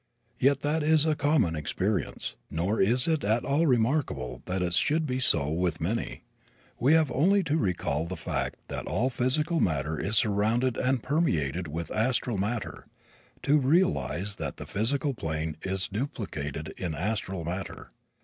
Yet that is a common experience. Nor is it at all remarkable that it should be so with many. We have only to recall the fact that all physical matter is surrounded and permeated with astral matter to realize that the physical plane is duplicated in astral matter.